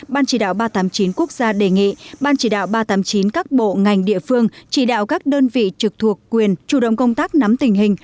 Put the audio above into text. ban chỉ đạo ba trăm tám mươi chín quốc gia đề nghị ban chỉ đạo ba trăm tám mươi chín các bộ ngành địa phương chỉ đạo các đơn vị trực thuộc quyền chủ động công tác nắm tình hình